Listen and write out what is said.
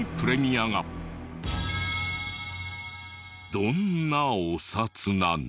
どんなお札なの？